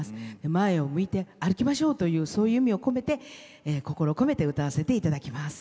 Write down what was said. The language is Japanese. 前を向いて歩きましょうというそういう意味を込めて心を込めて歌わせていただきます。